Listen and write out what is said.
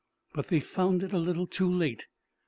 But they found it a little too late.